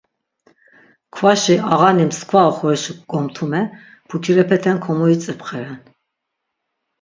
Kvaşi ağani mskva oxorişi gomtume pukirepeten komuitzipxeren.